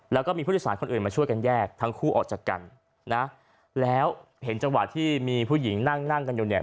แล้วก็มีผู้โดยสารคนอื่นมาช่วยกันแยกทั้งคู่ออกจากกันนะแล้วเห็นจังหวะที่มีผู้หญิงนั่งนั่งกันอยู่เนี่ย